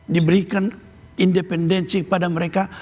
diberikan independensi pada mereka